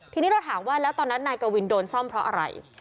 ทีนี้เราถามว่าแล้วตอนนั้นนายกวินโดนซ่อมเพราะอะไร